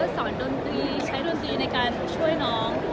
สอนดนตรีใช้ดนตรีในการช่วยน้อง